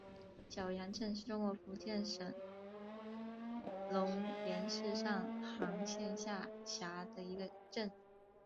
蛟洋镇是中国福建省龙岩市上杭县下辖的一个镇。